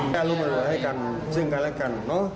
แค่รู้มือเหลือให้กันซึ่งกันและกัน